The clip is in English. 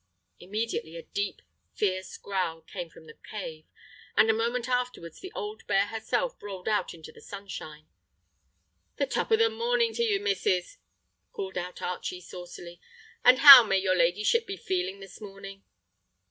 Immediately a deep, fierce growl came from the cave, and a moment afterwards the old bear herself rolled out into the sunshine. "The top of the morning to you, missus!" called out Archie saucily. "And how may your ladyship be feeling this morning?"